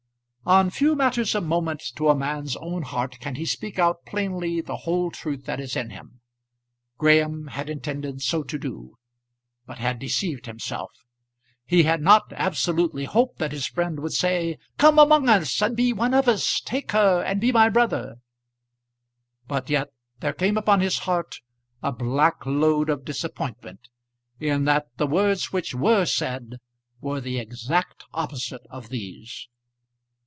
On few matters of moment to a man's own heart can he speak out plainly the whole truth that is in him. Graham had intended so to do, but had deceived himself. He had not absolutely hoped that his friend would say, "Come among us, and be one of us; take her, and be my brother." But yet there came upon his heart a black load of disappointment, in that the words which were said were the exact opposite of these.